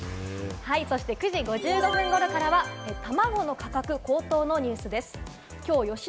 そして９時５５分頃からは、たまごの価格高騰のニュースです。